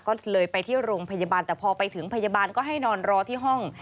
ก็เลยไปที่โรงพยาบาลแต่พอไปถึงพยาบาลก็ให้นอนรอที่ห้อง